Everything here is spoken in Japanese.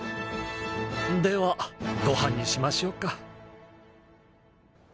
ではご飯にしましょうか。